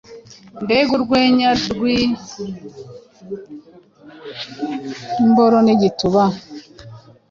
mbega urwenya rw’imboro n’igituba